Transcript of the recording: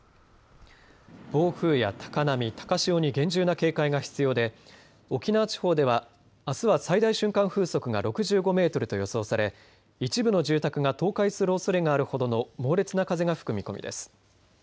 暴風や高波、高潮に厳重な警戒が必要で沖縄地方ではあすは最大瞬間風速が６５メートルと予想され一部の住宅が倒壊するおそれがあるほどの猛烈な風が吹く見込みです。